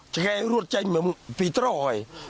จะแค่รวดใจมีปีเตอร์ไหว